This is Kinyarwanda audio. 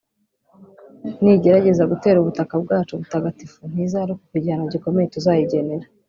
nigerageza gutera ubutaka bwacu butagatifu ntizarokoka igihano gikomeye tuzayigenera